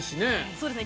そうですね。